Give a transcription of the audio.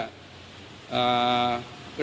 อันนี้มันต้องมีเครื่องชีพในกรณีที่มันเกิดเหตุวิกฤตจริงเนี่ย